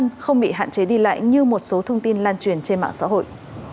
người dân không bị hạn chế đi lại như một số thông tin lan truyền trên mạng xã hội